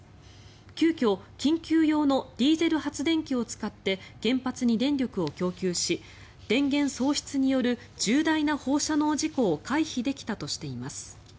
急きょ、緊急用のディーゼル発電機を使って原発に電力を供給し電源喪失による重大な放射能事故を回避できたとしています。